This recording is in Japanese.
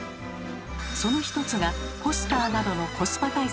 その一つがポスターなどのコスパ対策です。